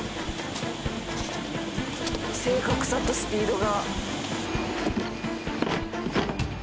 正確さとスピードが。